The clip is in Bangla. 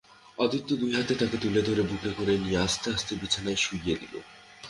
আদিত্য দুই হাতে তাকে তুলে ধরে বুকে করে নিয়ে আস্তে আস্তে বিছানায় শুইয়ে দিলে।